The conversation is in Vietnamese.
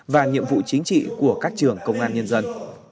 và nhiệm vụ chính trị của các trường công an nhân dân